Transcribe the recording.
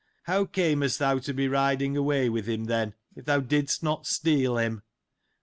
How camest thou to be riding away with him then, if thou didst not steal him ?